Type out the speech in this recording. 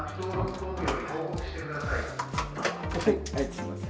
すみません。